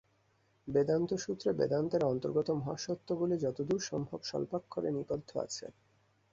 বেদান্তসূত্রে বেদান্তের অন্তর্গত মহাসত্যগুলি যতদূর সম্ভব স্বল্পাক্ষরে নিবদ্ধ আছে।